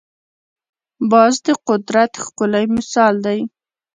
باز د قدرت ښکلی مثال دی